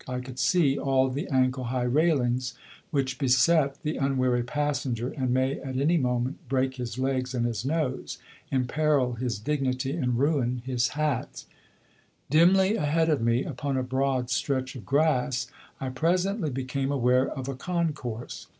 I could see all the ankle high railings which beset the unwary passenger and may at any moment break his legs and his nose, imperil his dignity and ruin his hat. Dimly ahead of me, upon a broad stretch of grass, I presently became aware of a concourse.